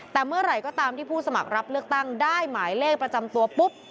แต่เมื่อไหร่ก็ตามที่ผู้สมัครรับเลือกตั้งได้หมายเลขประจำตัวปุ๊บ